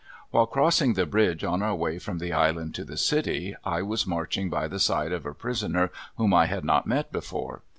While crossing the bridge on our way from the Island to the city I was marching by the side of a prisoner whom I had not met before.